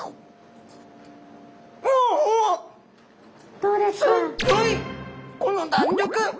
どうですか？